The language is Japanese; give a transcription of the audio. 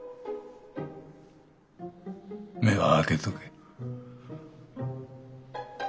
目は開けとけ。